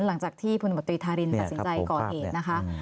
หลังจากที่พุนบัตริธารินตัดสินใจก่อเหตุ